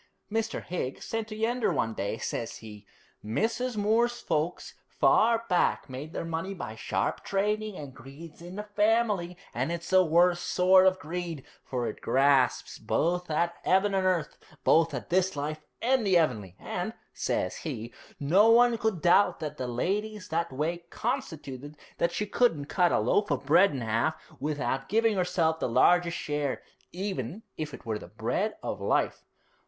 Mr. Higgs said to Yeander one day, says he, "Mrs. Moore's folks far back made their money by sharp trading, and greed's in the family, and it's the worst sort of greed, for it grasps both at 'eaven and earth, both at this life and the 'eavenly. And," says he, "no one could doubt that the lady's that way constituted that she couldn't cut a loaf of bread in 'alf without giving herself the largest share, even if it were the bread of life."'